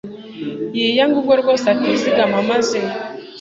yiyange ubwe rwose atizigama, maze